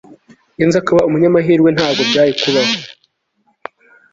Iyo nza kuba umunyamahirwe ntabwo byari kubaho